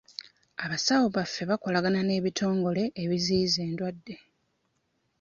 Abasawo baffe bakolagana n'ebitongole ebiziyiza endwadde.